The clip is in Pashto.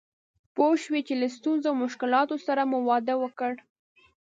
پوه شه چې له ستونزو او مشکلاتو سره مو واده وکړ.